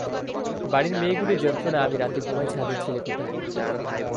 বাড়ির মেয়েগুলির যন্ত্রণায় আমি রাতে ঘুমাই ছাদের চিলেকোঠায়।